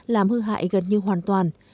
làm hư hại gần như hoàn toàn